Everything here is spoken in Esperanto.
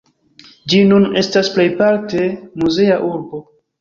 Ĝi nun estas plejparte muzea urbo.